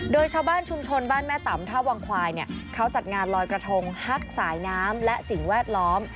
โดยชาวบ้านชุมชนบ้านแม่ต่ำท่าวังควายเนี่ยเขาจัดงานลอยกระทงฮักสายน้ำและสิ่งแวดล้อม